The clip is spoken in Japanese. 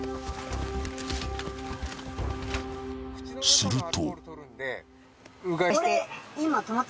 ［すると］